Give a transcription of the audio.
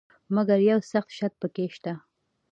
مګر یو سخت شرط پکې شته.